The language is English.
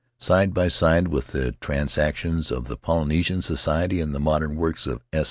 Side by side with the transactions of the Polynesian Society and the modern works of S.